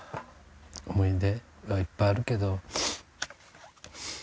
思い出がいっぱいあるけど。